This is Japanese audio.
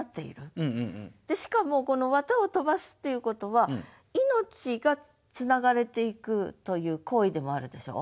しかもこの絮を飛ばすっていうことは命がつながれていくという行為でもあるでしょう？